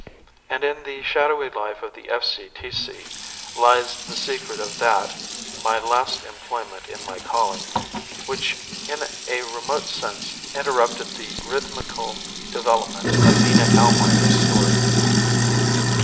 And in the shadowy life of the F.C.T.C. lies the secret of that, my last employment in my calling, which in a remote sense interrupted the rhythmical development of Nina Almayer's story.